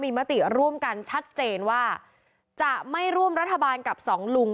มีมติร่วมกันชัดเจนว่าจะไม่ร่วมรัฐบาลกับสองลุง